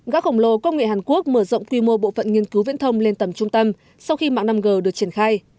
gá khổng lồ công nghệ hàn quốc mở rộng quy mô bộ phận nghiên cứu viễn thông lên tầm trung tâm sau khi mạng năm g được triển khai